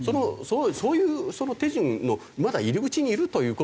そういうその手順のまだ入り口にいるという事ですよ。